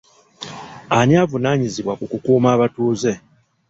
Ani avunaanyizibwa ku kukuuma abatuuze?